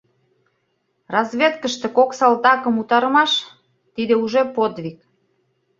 Разведкыште кок салтакым утарымаш — тиде уже подвиг.